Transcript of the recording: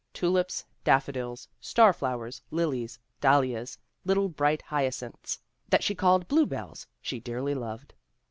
Tulips, daffodils, star flowers, lilies, dahlias, little bright hyacinths, that she called 'blue bells/ she dearly loved.